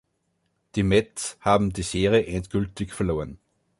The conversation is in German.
Die Mets haben die Serie endgültig verloren.